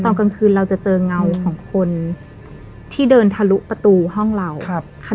ตอนกลางคืนเราจะเจอเงาของคนที่เดินทะลุประตูห้องเราครับ